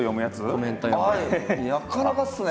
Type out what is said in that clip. なかなかっすね。